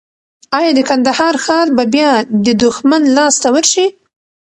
ایا د کندهار ښار به بیا د دښمن لاس ته ورشي؟